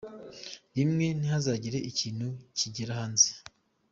Rimwe Ntihazagire ikintu kigera hanze.